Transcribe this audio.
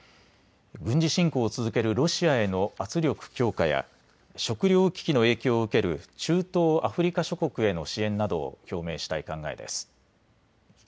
軍事侵攻を続けるロシアへの圧力強化や食料危機の影響を受ける中東アフリカ諸国への支援などを表明したい考えです。